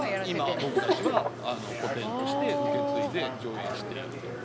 今僕たちは古典として受け継いで上演しているってことなんで。